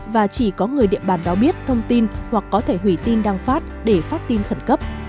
và chỉ có người địa bàn đó biết thông tin hoặc có thể hủy tin đăng phát để phát tin khẩn cấp